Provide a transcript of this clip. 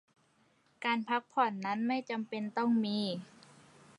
การพักผ่อนนั้นไม่จำเป็นต้องมี